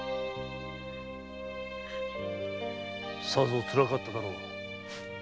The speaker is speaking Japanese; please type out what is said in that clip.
さぞ辛かっただろう。